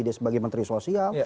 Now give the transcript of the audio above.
dia sebagai menteri sosial